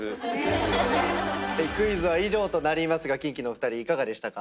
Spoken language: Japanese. クイズは以上となりますがキンキのお二人いかがでしたか？